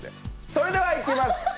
それでは、いきます